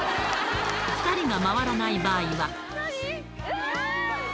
２人が回らない場合は。